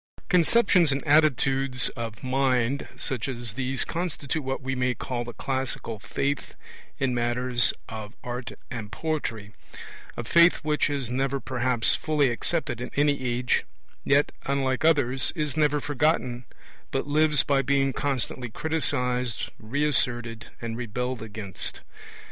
Conceptions and attitudes of mind such as these constitute what we may call the classical faith in matters of art and poetry; a faith which is never perhaps fully accepted in any age, yet, unlike others, is never forgotten but lives by being constantly criticized, re asserted, and rebelled against.